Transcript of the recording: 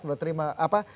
untuk terima apa